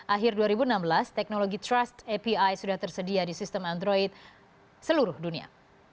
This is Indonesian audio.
akhir dua ribu enam belas teknologi trust api sudah tersedia di sistem android seluruh dunia